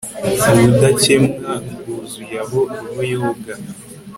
Ubudakemwa bwuzuye aho roho yoga